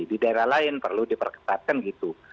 di daerah lain perlu diperketatkan gitu